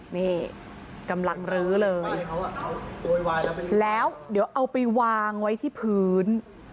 นี่กำลังรื้อเลยแล้วเดี๋ยวเอาไปวางไว้ที่พื้น